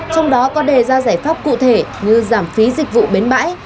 trong đó có đề ra giải pháp cụ thể như giảm phí dịch vụ bến bãi